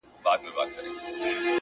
ستا د غرور حسن ځوانۍ په خـــاطــــــــر،